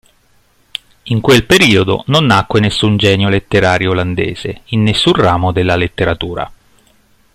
In quel periodo non nacque nessun genio letterario olandese in nessun ramo della letteratura.